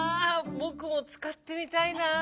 ぼくもつかってみたいな。